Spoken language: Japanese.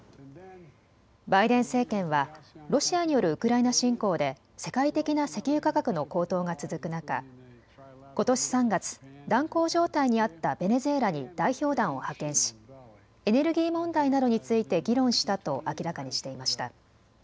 バイデン政権はロシアによるウクライナ侵攻で世界的な石油価格の高騰が続く中、ことし３月、断交状態にあったベネズエラに代表団を派遣しエネルギー問題などについて議論したと明らかにしていました。